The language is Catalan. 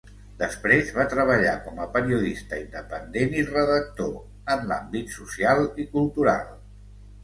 Després va treballar com a periodista independent i redactor, en l'àmbit social i cultural.